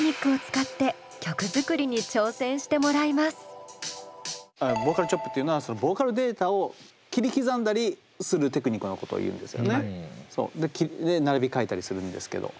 今回はボーカルチョップっていうのはそのボーカルデータを切り刻んだりするテクニックのことをいうんですよね。で並べ替えたりするんですけど。